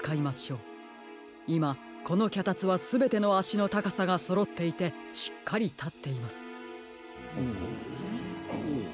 いまこのきゃたつはすべてのあしのたかさがそろっていてしっかりたっています。